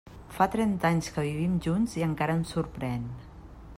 Fa trenta anys que vivim junts i encara em sorprèn.